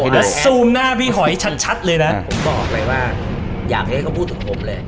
แปรโอเลยน่ะผมบอกเลยว่าอยากให้เขาพูดถึงผมเลย